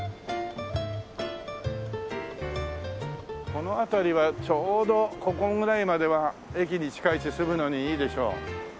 この辺りはちょうどここぐらいまでは駅に近いし住むのにいいでしょ。